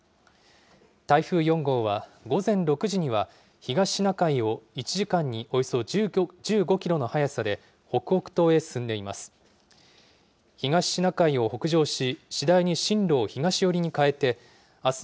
台風４号は、午前６時には東シナ海を１時間におよそ１５キロの速さで、北北東へ進んでいます。